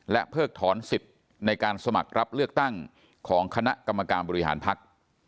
เพิกถอนสิทธิ์ในการสมัครรับเลือกตั้งของคณะกรรมการบริหารภักดิ์